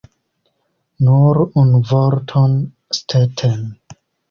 Nur unu vorton, Stetten!